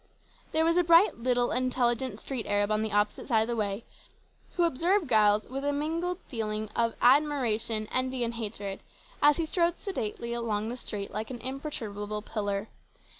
There was a bright intelligent little street Arab on the opposite side of the way, who observed Giles with mingled feelings of admiration, envy, and hatred, as he strode sedately along the street like an imperturbable pillar.